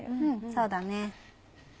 そうだね。